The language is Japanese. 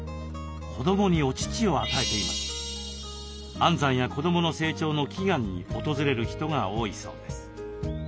安産や子どもの成長の祈願に訪れる人が多いそうです。